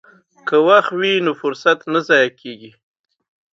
که وخت وي نو فرصت نه ضایع کیږي.